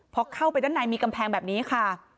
พอเข้าไปด้านในมีกำแพงแบบนี้ค่ะ